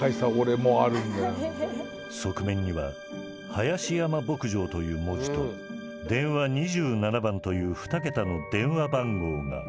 側面には「林山牧場」という文字と「電話二七番」という２桁の電話番号が。